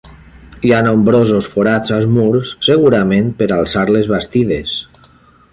Hi ha nombrosos forats als murs, segurament per alçar les bastides.